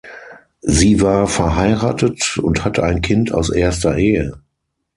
Sie war verheiratet und hatte ein Kind aus erster Ehe.